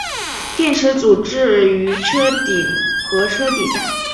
电池组置于车顶和车底下。